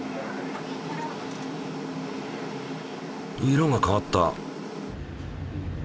色が変わった！